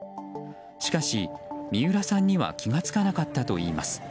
しかし、三浦さんには気が付かなかったといいます。